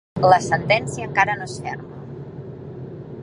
La sentència encara no és ferma.